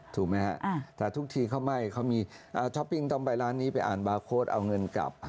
ถูกไหมฮะแต่ทุกทีเขาไม่เขามีช้อปปิ้งต้องไปร้านนี้ไปอ่านบาร์โค้ดเอาเงินกลับ